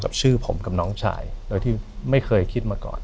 ชื่อผมกับน้องชายโดยที่ไม่เคยคิดมาก่อน